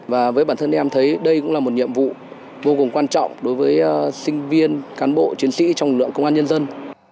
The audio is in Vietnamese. và với bản thân em thấy đây cũng là một nhiệm vụ vô cùng quan trọng đối với sinh viên cán bộ chiến sĩ trong lực lượng công an nhân dân